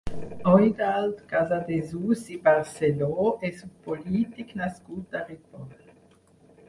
Eudald Casadesús i Barceló és un polític nascut a Ripoll.